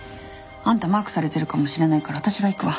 あんたマークされてるかもしれないから私が行くわ。